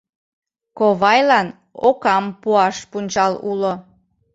Ковайлан «Окам» пуаш пунчал уло.